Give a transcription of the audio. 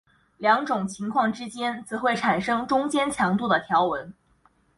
两种情况之间则会产生中间强度的条纹。